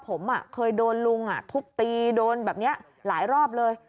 ผมเคยโดนลุงทุบตีโดนแบบนี้หลายรอบเลย